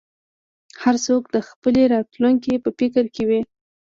هر څوک د خپلې راتلونکې په فکر کې وي.